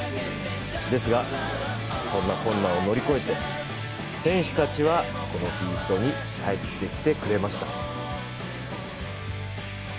ですが、そんな困難を乗り越えて、選手たちはこのフィールドに帰ってきてくれました。